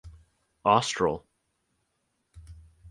Austral.